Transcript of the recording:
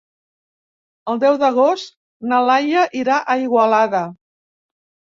El deu d'agost na Laia irà a Igualada.